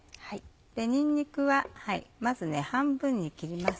にんにくはまず半分に切ります。